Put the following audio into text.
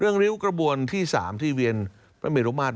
เรื่องลิ้วกระบวนที่สามที่เวียนภรรมีธุมาศ